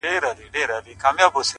• څوك به واچوي سندرو ته نومونه,